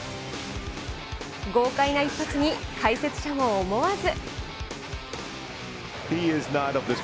豪快な一発に解説者も思わず。